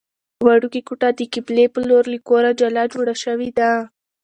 وړوکې کوټه د قبلې په لور له کوره جلا جوړه شوې ده.